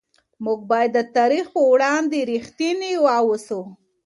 موږ باید د تاریخ په وړاندې رښتیني واوسو.